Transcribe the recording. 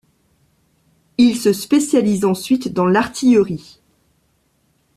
Il se spécialise ensuite dans l'artillerie.